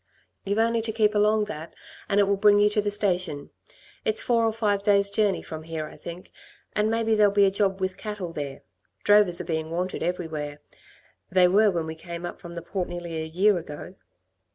You've only to keep along that and it will bring you to the station. It's four or five days' journey from here, I think, and maybe there'll be a job with cattle there. Drovers are being wanted everywhere they were when we came up from the Port nearly a year ago."